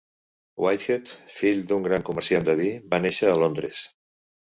Whitehead, fill gran d'un comerciant de vi, va néixer a Londres.